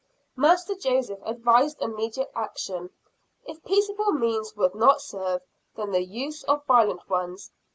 Master Joseph advised immediate action if peaceable means would not serve, then the use of violent ones.